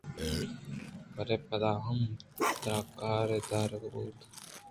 بلئے پدا ہم ترا کار ءَ دارگ بوتگ